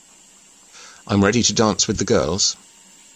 I'm ready to dance with the girls